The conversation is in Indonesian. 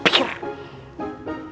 kasih pelajaran sopir